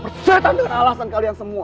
percayakan dengan alasan kalian semua